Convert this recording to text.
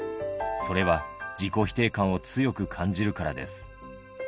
それは自己否定感を強く感じるからです。